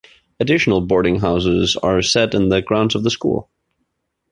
Additional boarding houses are set in the grounds of the school.